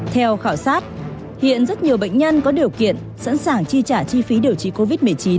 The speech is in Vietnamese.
theo khảo sát hiện rất nhiều bệnh nhân có điều kiện sẵn sàng chi trả chi phí điều trị covid một mươi chín